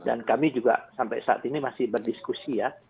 dan kami juga sampai saat ini masih berdiskusi ya